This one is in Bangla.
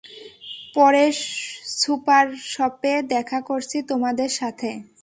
পরে সুপারশপে দেখা করছি তোমাদের সাথে।